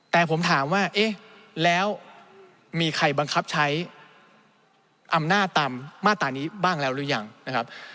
แต่ผมถามว่าเอ๊ะแล้วมีใครบังคับใช้อำนาจตามมาตรานี้บ้างแล้วหรือยังนะครับ